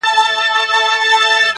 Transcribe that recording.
o گراني رڼا مه كوه مړ به مي كړې.